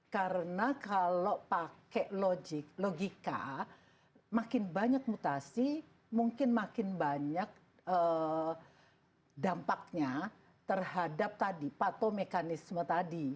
karena kalau pakai logika makin banyak mutasi mungkin makin banyak dampaknya terhadap tadi patomekanisme tadi